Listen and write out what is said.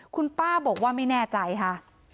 คุณป้าบอกว่าไม่แน่ใจค่ะ